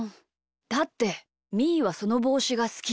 だってみーはそのぼうしがすき。